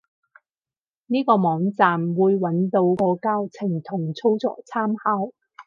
呢個網站，會揾到個教程同操作參考